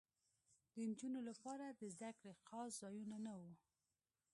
د نجونو لپاره د زدکړې خاص ځایونه نه وو